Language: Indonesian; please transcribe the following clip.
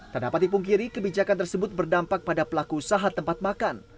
tandapat di punggiri kebijakan tersebut berdampak pada pelaku sahat tempat makan